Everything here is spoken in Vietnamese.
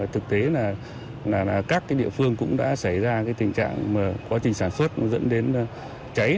thực tế là các địa phương cũng đã xảy ra tình trạng quá trình sản xuất dẫn đến cháy